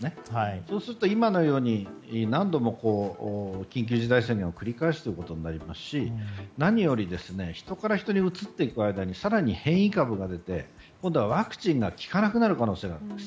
そうすると、今のように何度も緊急事態宣言を繰り返すということになりますし何より人から人にうつっていく間に更に変異株が出て、今度はワクチンが効かなくなる可能性があります。